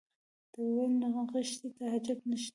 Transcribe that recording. ده وویل نخښې ته حاجت نشته.